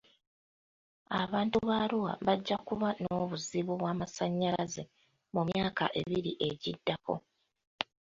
Abantu ba Arua bajja kuba n'obuzibu bw'amasanyalaze mu myaka ebiri egiddako.